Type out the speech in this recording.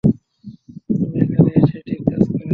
তুমি এখানে এসে ঠিক কাজ করেছ।